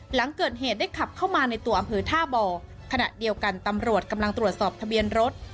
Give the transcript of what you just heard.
หลังเกิดเหตุได้ขับเข้ามาในตัวอำเภอท่าบ่อขณะเดียวกันตำรวจกำลังตรวจสอบทะเบียนรถ